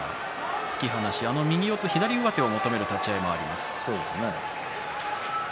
突き放し、右四つ左上手を求める立ち合いもあります。